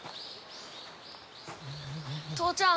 父ちゃん！